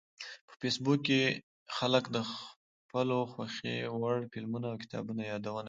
په فېسبوک کې خلک د خپلو خوښې وړ فلمونو او کتابونو یادونه کوي